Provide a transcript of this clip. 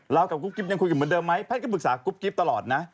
กับกุ๊กกิ๊บยังคุยกันเหมือนเดิมไหมแพทย์ก็ปรึกษากุ๊บกิ๊บตลอดนะ